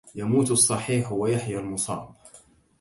يموت الصحيح ويحيا المصاب